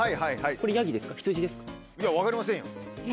いや分かりませんよ